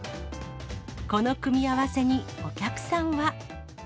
この組み合わせにお客さんは。